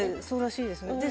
そうらしいですね。